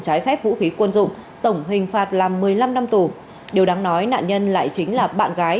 trái phép vũ khí quân dụng tổng hình phạt là một mươi năm năm tù điều đáng nói nạn nhân lại chính là bạn gái